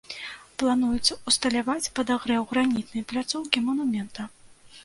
Плануецца ўсталяваць падагрэў гранітнай пляцоўкі манумента.